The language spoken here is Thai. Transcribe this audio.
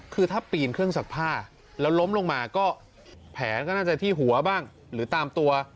คือถ้าปีนเครื่องซักผ้าแล้วล้มลงมาก็แผลก็น่าจะที่หัวบ้างหรือตามตัว